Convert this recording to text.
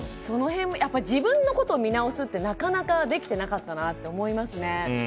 自分のことを見直すってなかなかできていなかったなと思いますね。